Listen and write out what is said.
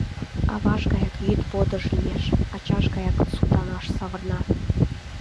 — Аваж гаяк йӱд водыж лиеш. ачаж гаяк сотанаш савырна.